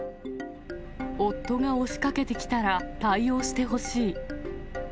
夫が押しかけてきたら対応してほしい。